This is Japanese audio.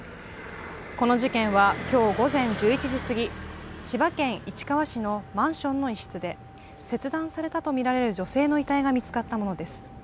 この事件は今日午前１１時過ぎ、千葉県市川市のマンションの一室で切断されたとみられる女性の遺体が見つかったものです。